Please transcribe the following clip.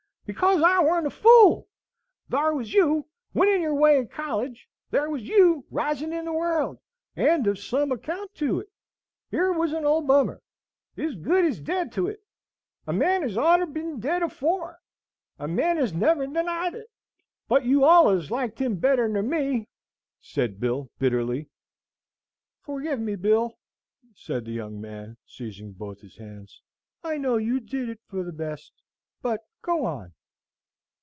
because I warn't a fool. Thar was you, winnin' your way in college; thar was YOU, risin' in the world, and of some account to it; yer was an old bummer, ez good ez dead to it, a man ez oughter been dead afore! a man ez never denied it! But you allus liked him better nor me," said Bill, bitterly. "Forgive me, Bill," said the young man, seizing both his hands. "I know you did it for the best; but go on."